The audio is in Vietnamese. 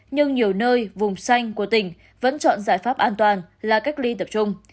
nhưng nhiều nơi vùng xanh của tỉnh vẫn chọn giải pháp an toàn là cách ly tập trung